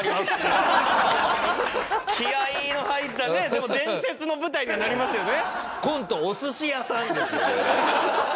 気合の入ったねでも伝説の舞台にはなりますよね。ですよ。